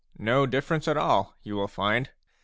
No difference at all, you will find.